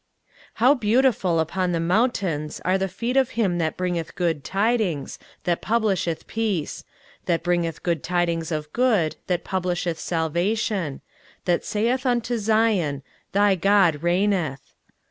23:052:007 How beautiful upon the mountains are the feet of him that bringeth good tidings, that publisheth peace; that bringeth good tidings of good, that publisheth salvation; that saith unto Zion, Thy God reigneth!